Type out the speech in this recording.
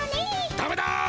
ダメだ！